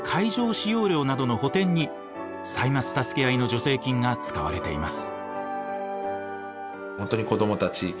使用料などの補填に「歳末たすけあい」の助成金が使われています。